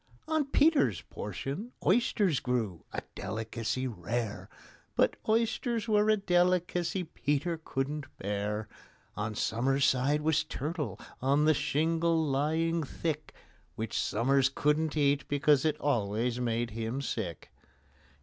On PETER'S portion oysters grew—a delicacy rare, But oysters were a delicacy PETER couldn't bear. On SOMERS' side was turtle, on the shingle lying thick, Which SOMERS couldn't eat, because it always made him sick.